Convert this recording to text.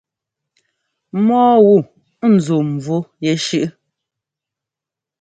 Mɔ́ɔ wu zúu mvú yɛshʉ́ʼʉ?